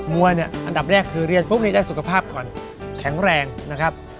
วยเนี่ยอันดับแรกคือเรียนพรุ่งนี้ได้สุขภาพก่อนแข็งแรงนะครับ